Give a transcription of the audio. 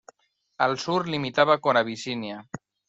Al sur limitaba con Abisinia.